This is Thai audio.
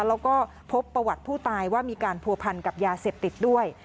แล้วก็พบประวัติผู้ตายว่ามีการผัวพันกับยาเสพติดด้วย